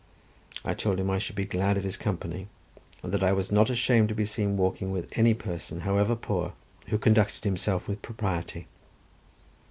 I told him I should be glad of his company, and that I was not ashamed to be seen walking with any person, however poor, who conducted himself with propriety.